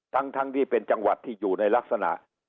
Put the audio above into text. ทั้งที่เป็นจังหวัดที่อยู่ในลักษณะ